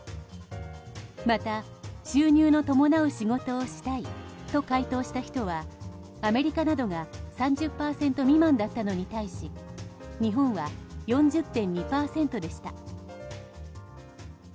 また、収入の伴う仕事をしたいと回答した人はアメリカなどが３０％未満だったのに対し日本は４０．２％でした。